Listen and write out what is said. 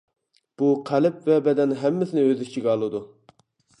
بۇ قەلب ۋە بەدەن ھەممىسىنى ئۆز ئىچىگە ئالىدۇ.